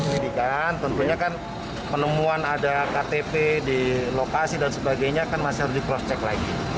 penyelidikan tentunya kan penemuan ada ktp di lokasi dan sebagainya kan masih harus di cross check lagi